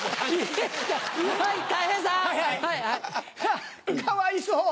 あっかわいそう！